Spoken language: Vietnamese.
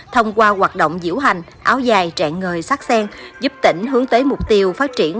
thông qua hoạt động diễu hành áo dài trạng người sắc sen giúp tỉnh hướng tới mục tiêu phát triển